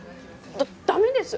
ダダメです！